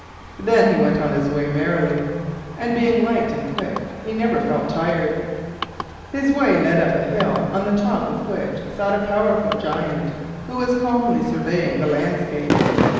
Then he went on his way merrily, and being light and quick he never felt tired. His way led up a hill on the top of which sat a powerful Giant, who was calmly surveying the landscape.